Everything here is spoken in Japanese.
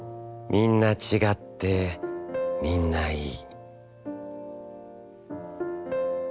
みんなちがって、みんないい」。